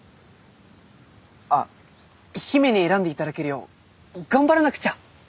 あっ姫に選んで頂けるよう頑張らなくちゃ！